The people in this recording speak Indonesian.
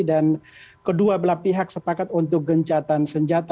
dan kedua belah pihak sepakat untuk gencatan senjata